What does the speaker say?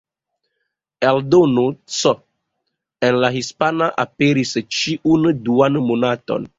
Eldono C, en la hispana, aperis ĉiun duan monaton.